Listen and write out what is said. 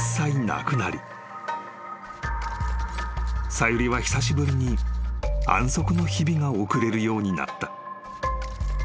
［さゆりは久しぶりに安息の日々が送れるようになった］